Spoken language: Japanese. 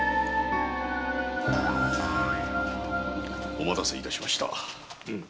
お待たせ致しました。